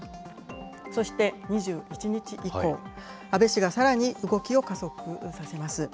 そして、２１日以降、安倍氏がさらに動きを加速させます。